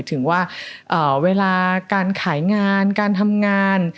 ถึงว่าเวลาการขายงานการทำงาน